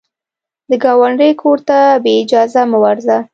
د ګاونډي کور ته بې اجازې مه ورځه